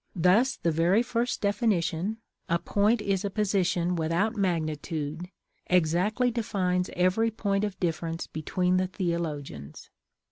Thus the very first definition, "A point is position without magnitude," exactly defines every point of difference between the theologians.